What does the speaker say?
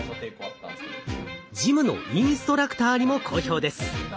ジムのインストラクターにも好評です。